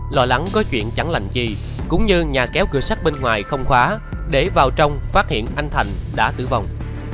lo lắng có chuyện chẳng lành gì cũng như nhà kéo cửa sắt bên ngoài không khóa để vào trong phát hiện anh thành đã tử vong